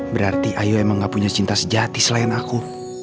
berarti ayo emang gak punya cinta sejati selain aku